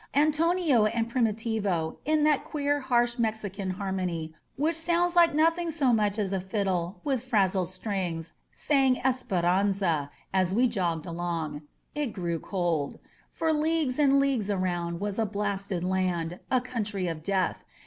Antonio and Frimitivo, in that queer harsh Mexican harmony which sounds like nothing so much as a fiddle with frazzled strings, sang "Esperanza^* as we jogged along. It grew cold. For leagues and leagues around was a blasted land, a country of death.